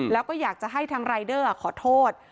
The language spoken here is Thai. แล้วก็อยากจะให้ทางรายเดอร์ขอโทษ